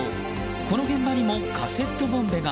この現場にもカセットボンベが。